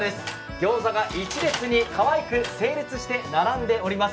ギョーザが一列にかわいく整列して並んでおります。